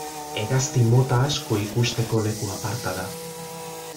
Hegazti mota asko ikusteko leku aparta da.